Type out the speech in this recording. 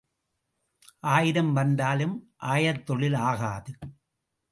ஆயிரம் வந்தாலும் ஆயத்தொழில் ஆகாது.